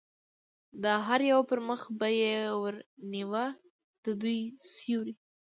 د هر یوه پر مخ به یې ور نیوه، د دوی سیوری.